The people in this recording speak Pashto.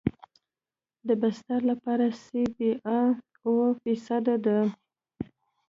د بستر لپاره سی بي ار اوه فیصده دی